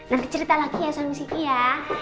nanti cerita lagi ya sama miss gigi ya